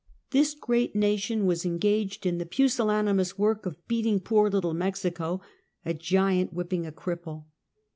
This great nation was engaged in the pusillanimous work of beating poor little Mexico — a giant whij)ping a cripple.